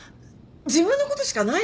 自分のことしかないの？